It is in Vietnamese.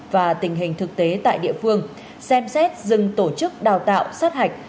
và tình hình thực tế tại địa phương xem xét dừng tổ chức đào tạo sát hạch